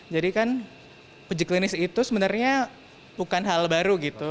jadi kan uji klinis itu sebenarnya bukan hal baru gitu